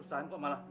kasihan dia bu